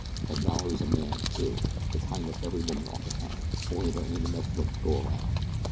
"And Mallory's a man, too the kind that every woman ought to have, only they ain't enough of 'em to go 'round.